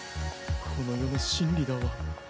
この世の真理だわ。